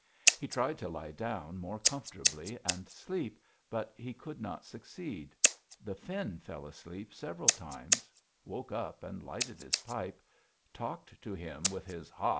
He tried to lie down more comfortably and sleep, but he could not succeed; the Finn fell asleep several times, woke up and lighted his pipe, talked to him with his "Ha!"